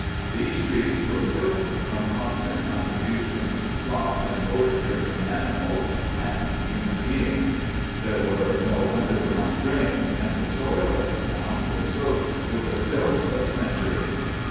These streets were filthy from constant contributions of slops and ordure from animals and human beings. There were no underground drains, and the soil of the town was soaked with the filth of centuries.